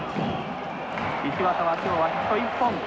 石渡は今日はヒット１本。